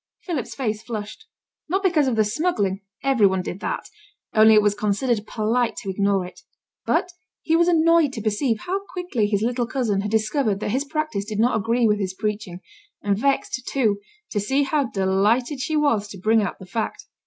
Philip's face flushed. Not because of the smuggling; every one did that, only it was considered polite to ignore it; but he was annoyed to perceive how quickly his little cousin had discovered that his practice did not agree with his preaching, and vexed, too, to see how delighted she was to bring out the fact.